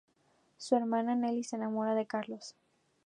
Su hermana Nelly se enamora de Carlos.